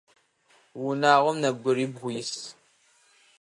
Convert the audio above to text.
Унагъом нэбгырибгъу ис.